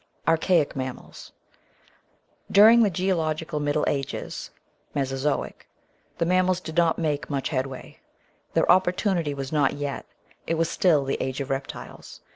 Archaic Mammals During the geological Middle Ages (Mesozoic) the mam mals did not make much headway. Their opportimity was not yet; it was still the Age of Reptiles.